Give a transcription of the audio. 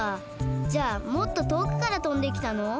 じゃあもっととおくからとんできたの？